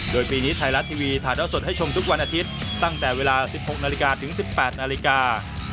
โดยปีนี้ไทยรัฐทีวีถ่ายเท่าสดให้ชมทุกวันอาทิตย์ตั้งแต่เวลา๑๖นาฬิกาถึง๑๘นาฬิกา